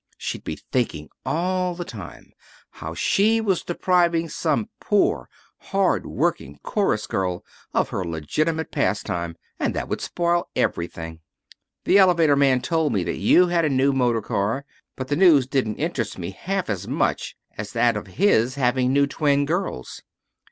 She'd be thinking all the time how she was depriving some poor, hard working chorus girl of her legitimate pastime, and that would spoil everything. The elevator man told me that you had a new motor car, but the news didn't interest me half as much as that of his having new twin girls.